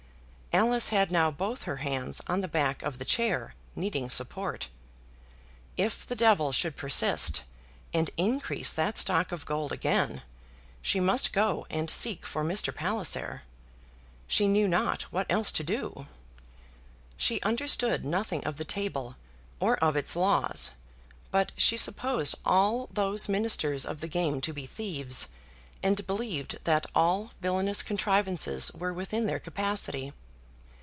Alice had now both her hands on the back of the chair, needing support. If the devil should persist, and increase that stock of gold again, she must go and seek for Mr. Palliser. She knew not what else to do. She understood nothing of the table, or of its laws; but she supposed all those ministers of the game to be thieves, and believed that all villainous contrivances were within their capacity.